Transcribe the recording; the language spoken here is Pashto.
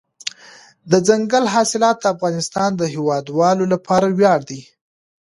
دځنګل حاصلات د افغانستان د هیوادوالو لپاره ویاړ دی.